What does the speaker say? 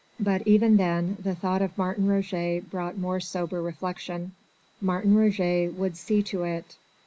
But even then, the thought of Martin Roget brought more sober reflection. Martin Roget would see to it.